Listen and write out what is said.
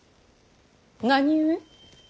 何故？